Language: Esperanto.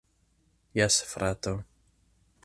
Jes, frato.